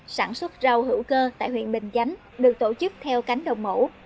sản xuất rau hữu cơ tại huyện bình chánh được tổ chức theo cánh đồng mẫu